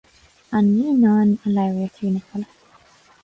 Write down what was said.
An naíonán a labhair trína chodladh